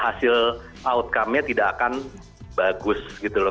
hasil outcomenya tidak akan bagus gitu loh